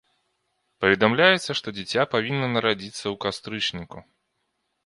Паведамляецца, што дзіця павінна нарадзіцца ў кастрычніку.